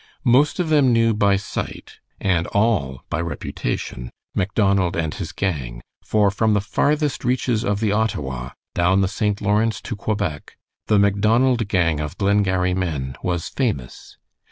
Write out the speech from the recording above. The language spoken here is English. Most of them knew by sight, and all by reputation, Macdonald and his gang, for from the farthest reaches of the Ottawa down the St. Lawrence to Quebec the Macdonald gang of Glengarry men was famous.